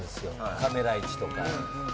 カメラ位置とか。